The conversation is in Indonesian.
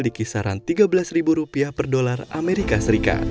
di kisaran tiga belas rupiah per dolar as